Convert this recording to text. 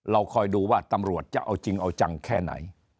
คอยดูว่าตำรวจจะเอาจริงเอาจังแค่ไหน